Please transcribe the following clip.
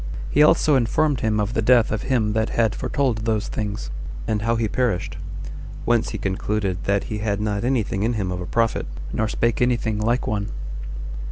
He also informed him of the death of him that had foretold those things, and how he perished; [whence he concluded that] he had not any thing in him of a prophet, nor spake any thing like one.